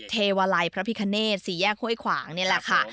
เทวาลัยพระพิคเนตสี่แยกห้วยขวางนี่แหละค่ะ